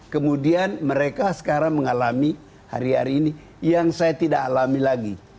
kemudian mereka sekarang mengalami hari hari ini yang saya tidak alami lagi